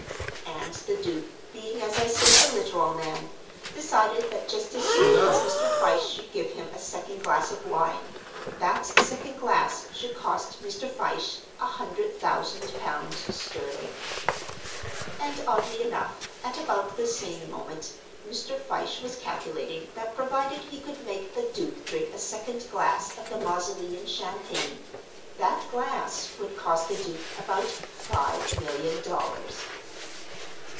And the Duke, being as I say a literal man, decided that just as soon as Mr. Fyshe should give him a second glass of wine, that second glass should cost Mr. Fyshe a hundred thousand pounds sterling. And oddly enough, at about the same moment, Mr. Fyshe was calculating that provided he could make the Duke drink a second glass of the Mausoleum champagne, that glass would cost the Duke about five million dollars.